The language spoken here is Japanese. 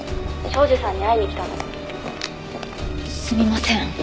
すみません。